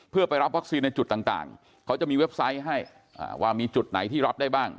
เพื่อไปรับวัคซีนในจุดต่างเขาจะมีเว็บไซต์ให้ว่ามีจุดไหนที่รับได้บ้าง